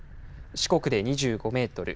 四国で２５メートル